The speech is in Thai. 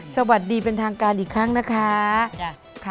สวัสดีเป็นทางการอีกครั้งนะคะ